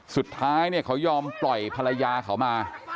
สุดท้ายเนี่ยเขายอมปล่อยภรรยาเขามา